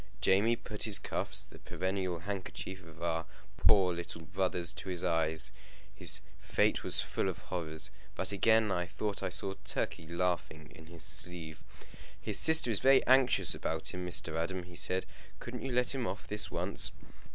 Jamie put his cuffs, the perennial handkerchief of our poor little brothers, to his eyes. His fate was full of horrors. But again I thought I saw Turkey laughing in his sleeve. "His sister is very anxious about him, Mr. Adam," he said. "Couldn't you let him off this once?"